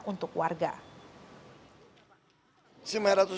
untuk kembali ke daerah